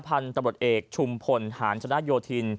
พันธุ์ตำรวจเอกชุมพลหานชนะโยธิน